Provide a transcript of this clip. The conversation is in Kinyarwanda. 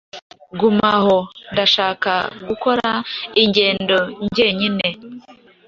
Gumaho ndashaka gukora ingendo njyenyine.